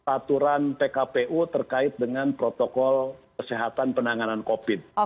aturan pkpu terkait dengan protokol kesehatan penanganan covid